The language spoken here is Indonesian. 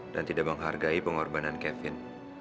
dan tidak menghargai pengorbanan kevin